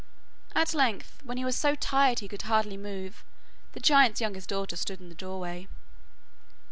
At length, when he was so tired he could hardly move, the giant's youngest daughter stood in the doorway.